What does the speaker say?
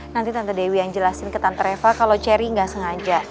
nanti tante dewi yang jelasin ke tante eva kalau cherry nggak sengaja